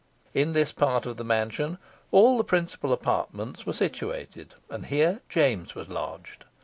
In this part of the mansion all the principal apartments were situated, and here James was lodged.